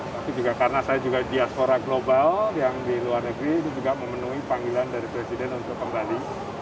tapi juga karena saya juga diaspora global yang di luar negeri itu juga memenuhi panggilan dari presiden untuk kembali